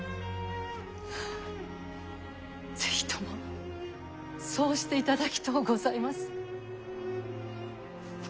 是非ともそうしていただきとうございます。